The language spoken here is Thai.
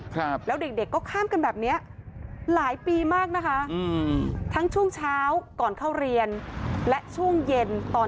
พบกับความเสี่ยงทุกเช้าทุกเย็น